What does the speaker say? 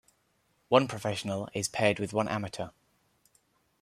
One professional is paired with one amateur.